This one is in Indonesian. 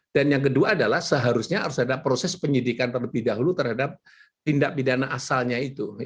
dan yang kedua adalah seharusnya harus ada proses penyidikan terlebih dahulu terhadap tindak pidana asalnya itu